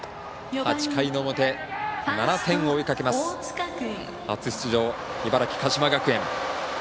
８回の表、７点を追いかけます初出場、茨城の鹿島学園。